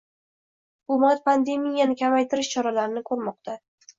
Hukumat pandemiyani kamaytirish choralarini ko'rmoqda